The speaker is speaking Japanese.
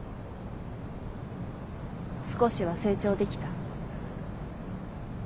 少しは成長できた？